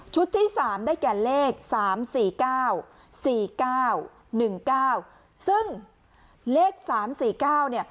ที่สามได้แก่เลขสามสี่เก้าสี่เก้าหนึ่งเก้าซึ่งเลขสามสี่เก้าเนี่ย